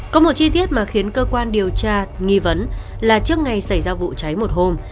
có một chi tiết mà khiến cơ quan điều tra nghi vấn là trước ngày xảy ra vụ cháy một hôm